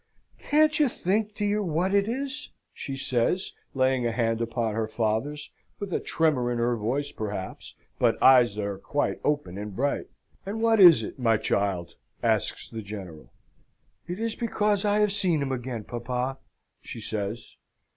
"Can't you think, dear, what it is?" she says, laying a hand upon her father's, with a tremor in her voice, perhaps, but eyes that are quite open and bright. "And what is it, my child?" asks the General. "It is because I have seen him again, papa!" she says.